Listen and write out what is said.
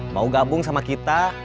mau gabung sama kita